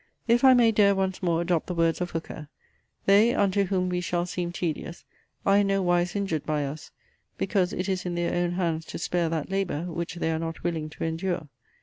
If I may dare once more adopt the words of Hooker, "they, unto whom we shall seem tedious, are in no wise injured by us, because it is in their own hands to spare that labour, which they are not willing to endure."